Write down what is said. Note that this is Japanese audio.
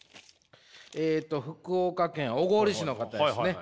えっと福岡県小郡市の方ですね。